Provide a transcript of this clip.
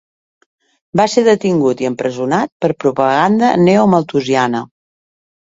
Va ser detingut i empresonat per propaganda neomalthusiana.